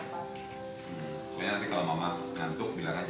pokoknya nanti kalau mama ngantuk bilang aja